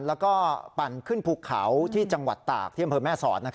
แล้วก็ปั่นขึ้นภูเขาที่จังหวัดตากที่อำเภอแม่สอด